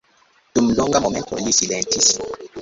Dum longa momento li silentis.